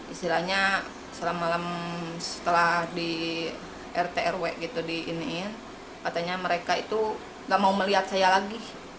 istilahnya selama malam setelah di rt rw gitu di iniin katanya mereka itu gak mau melihat saya lagi